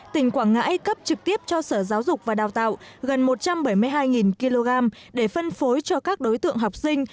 tỉnh quảng ngãi cấp trực tiếp cho sở giáo dục và đào tạo gần một trăm bảy mươi hai kg để phân phối cho các đối tượng học sinh